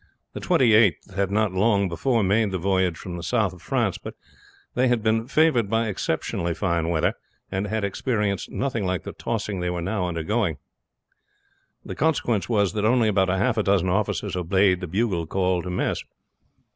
The Twenty eighth had not long before made the voyage from the south of France, but they had been favored by exceptionally fine weather, and had experienced nothing like the tossing they were now undergoing. The consequence was that only about half a dozen officers obeyed the bugle call to mess.